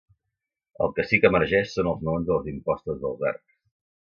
El que sí que emergeix són els maons de les impostes dels arcs.